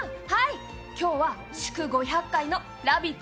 今日は祝５００回の「ラヴィット！」